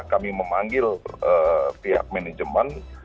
kami memanggil pihak manajemen